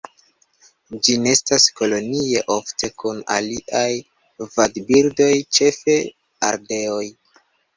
Ĝi nestas kolonie ofte kun aliaj vadbirdoj ĉefe ardeoj.